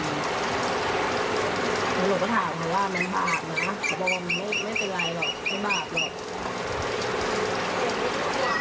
แต่เหลือก็ถามพวกเขาว่ามันภาพเนาะ